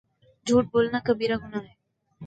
جھوٹ بولنا کبیرہ گناہ ہے